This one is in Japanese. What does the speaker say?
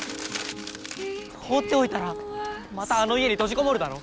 放っておいたらまたあの家に閉じこもるだろ。